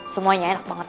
semuanya enak banget